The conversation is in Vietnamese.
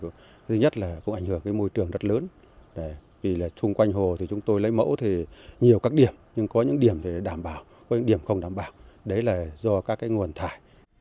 thứ nhất là cũng ảnh hưởng đến môi trường rất lớn vì là chung quanh hồ thì chúng tôi lấy mẫu thì nhiều các điểm nhưng có những điểm thì đảm bảo có điểm không đảm bảo đấy là do các nguồn thải